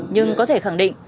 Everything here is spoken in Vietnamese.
nhưng có thể khẳng định